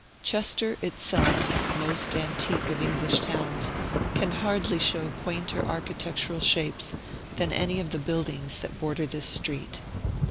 Chester itself, most antique of English towns, can hardly show quainter architectural shapes than many of the buildings that border this street.